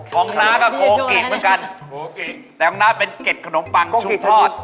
ของนาก็โกกิเหมือนกันแต่ของนาก็เป็นเก็ดขนมปังชุมทอด